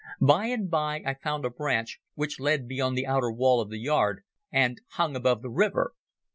By and by I found a branch which led beyond the outer wall of the yard and hung above the river.